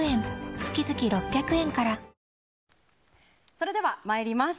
それでは参ります。